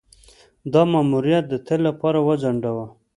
دا ماموریت د تل لپاره وځنډاوه.